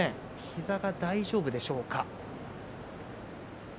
膝は大丈夫でしょうか。